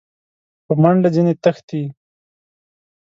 په منډه ځني تښتي !